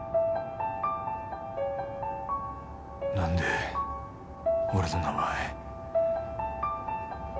なんで俺の名前。